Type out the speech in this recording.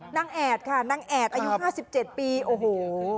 นางแอดค่ะนางแอดอายุห้าสิบเจ็ดปีโอ้โห